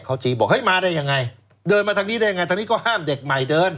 เขาจี้บอกเฮ้ยมาได้ยังไงเดินมาทางนี้ได้ยังไงทางนี้ก็ห้ามเด็กใหม่เดิน